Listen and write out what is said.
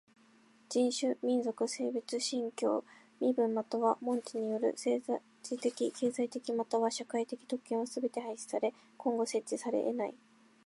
人種、民族、性別、信教、身分または門地による政治的経済的または社会的特権はすべて廃止され今後設置されえない。